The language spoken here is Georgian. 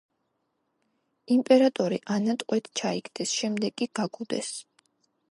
იმპერატორი ანა ტყვედ ჩაიგდეს, შემდეგ კი გაგუდეს.